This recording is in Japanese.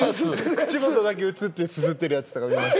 口元だけ映ってすすってるやつとか見ます。